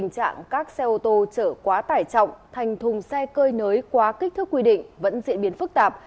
tình trạng các xe ô tô chở quá tải trọng thành thùng xe cơi nới quá kích thước quy định vẫn diễn biến phức tạp